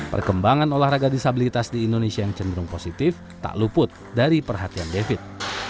perkembangan olahraga disabilitas di indonesia yang cenderung positif tak luput dari perhatian david